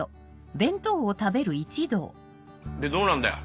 でどうなんだよ？